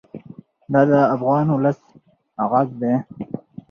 دا د افغان ولس غږ دی.